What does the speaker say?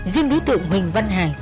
duyên đối tượng huỳnh văn hải